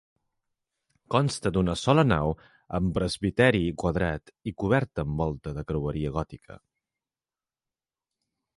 Consta d'una sola nau amb presbiteri quadrat i coberta amb volta de creueria gòtica.